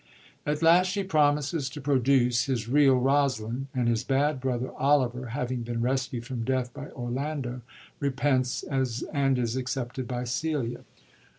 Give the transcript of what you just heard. At last she promises to produce his real Rosalind ; and his bad brother Oliver, having been rescued from death by Orlando, repents, and is accepted by Celia.